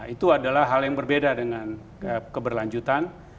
itu adalah hal yang berbeda dengan keberlanjutan